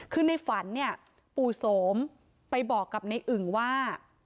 คือในฝันเนี่ยปู่โสมไปบอกกับในอึ่งว่า